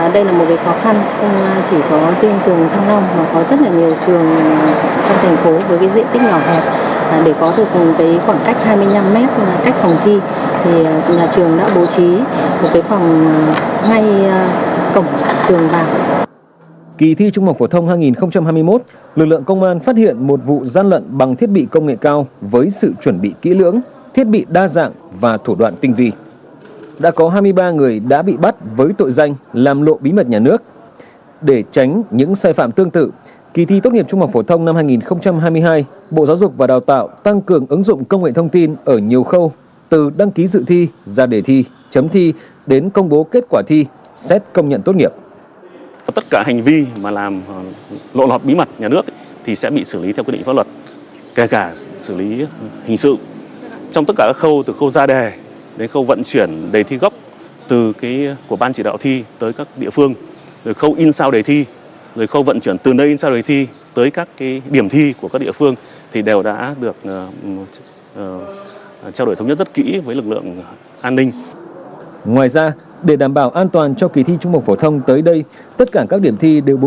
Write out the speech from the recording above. điểm mới trong kỳ thi thăm nay và đây là một việc khó khăn không chỉ có riêng trường thăng long mà có rất nhiều trường trong thành phố với diện tích nhỏ hơn để có được khoảng cách hai mươi năm mét